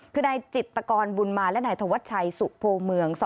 คือนายจิตกรบุญมาและนายธวัชชัยสุโพเมือง